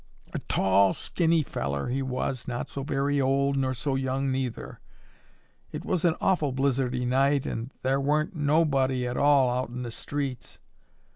A tall, skinny fellar he was, not so very old nor so young neither. It was an awful blizzardy night an' thar wa'n't nobody at all out in the streets.